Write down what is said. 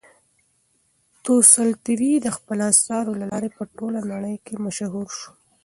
تولستوی د خپلو اثارو له لارې په ټوله نړۍ کې مشهور شو.